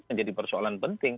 menjadi persoalan penting